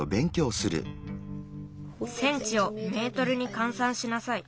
センチをメートルにかんさんしなさい。